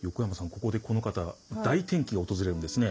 ここでこの方大転機が訪れるんですね。